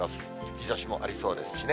日ざしもありそうですしね。